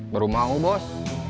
baru mau bos